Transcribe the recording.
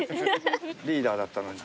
リーダーだったのに。